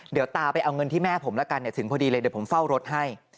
เดี๋ยวตาไปเอาเงินที่แม่ผมละกันถึงพอดีเลยเดี๋ยวผมเฝ้ารถให้